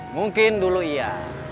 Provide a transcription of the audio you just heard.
mungkin dulu iya